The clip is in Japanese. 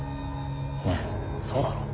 ねえそうだろ？